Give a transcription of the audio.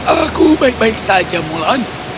aku baik baik saja mulan